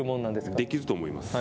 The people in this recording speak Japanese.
できると思います。